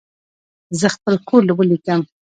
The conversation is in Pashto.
زه خپل کور ولیکم.